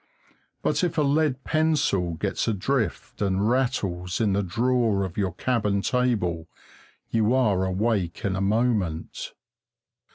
But if a lead pencil gets adrift and rattles in the drawer of your cabin table you are awake in a moment.